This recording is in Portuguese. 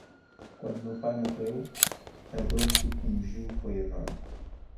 Quando meu pai morreu, a dor que o pungiu foi enorme